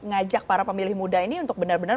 ngajak para pemilih muda ini untuk benar benar